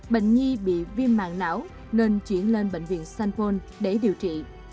bệnh nhi bị viêm mạng não nên chuyển lên bệnh viện sanphone để điều trị